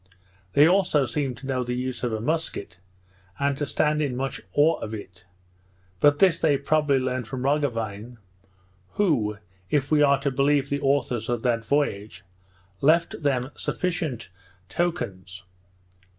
They also seemed to know the use of a musquet, and to stand in much awe of it; but this they probably learnt from Roggewein, who, if we are to believe the authors of that voyage, left them sufficient tokens.